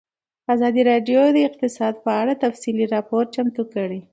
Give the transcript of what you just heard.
ازادي راډیو د اقتصاد په اړه تفصیلي راپور چمتو کړی.